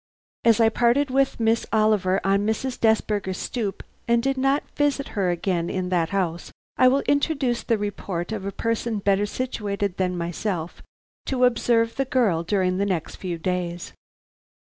As I parted with Miss Oliver on Mrs. Desberger's stoop and did not visit her again in that house, I will introduce the report of a person better situated than myself to observe the girl during the next few days.